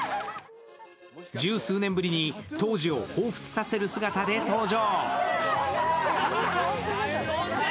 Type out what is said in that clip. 十数年ぶりに当時を彷彿させる姿で登場。